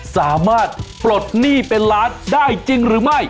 สามารถปลดหนี้เป็นล้านได้จริงหรือไม่